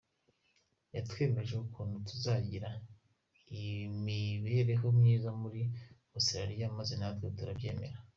Yatwemeje ukuntu tuzagirira imibereho myiza muri Australiya maze natwe turabyemera”.